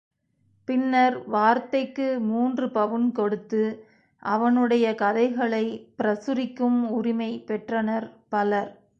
பின்னர், வார்த்தைக்கு மூன்று பவுன் கொடுத்து, அவனுடைய கதைகளைப் பிரசுரிக்கும் உரிமை பெற்றனர் பலர்.